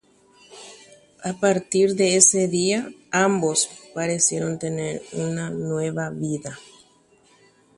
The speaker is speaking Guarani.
Upe ára guive ave vaicháku mokõive hekove pyahúva.